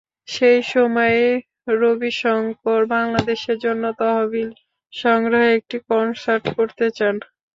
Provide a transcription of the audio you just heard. সেই সময়েই রবিশঙ্কর বাংলাদেশের জন্য তহবিল সংগ্রহে একটি কনসার্ট করতে চান।